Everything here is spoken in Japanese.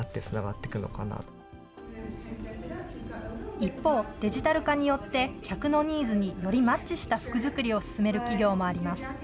一方、デジタル化によって、客のニーズによりマッチした服づくりを進める企業もあります。